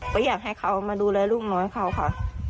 ก็อยากให้เขามาดูแลลูกน้อยเขาค่ะ